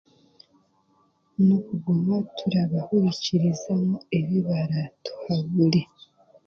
N'okuguma turabahurikiriza ebi baraatuhabure